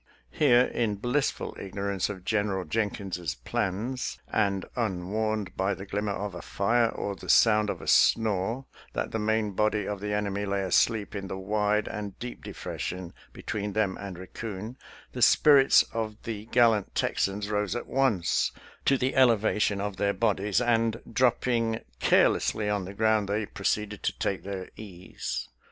Here, in blissful ignorance of General Jenkins's plans, and unwarned by the glimmer of a fire or the sound of a snore that the main body of the enemy lay asleep in the wide and deep depression be tween them and Raccoon, the spirits of the gal lant Texans rose at once to the elevation of their bodies, and, dropping carelessly on the ground, they proceeded to take their ease.